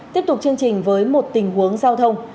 tiếp tục chương trình với một tình huống giao thông